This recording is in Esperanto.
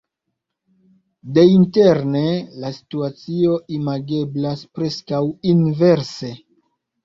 Deinterne la situacio imageblas preskaŭ inverse.